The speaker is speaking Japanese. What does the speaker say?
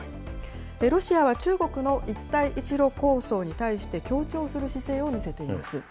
ロシアは中国の一帯一路構想に対して、協調する姿勢を見せています。